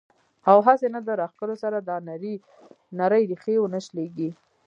او هسې نه د راښکلو سره دا نرۍ ريښې ونۀ شليږي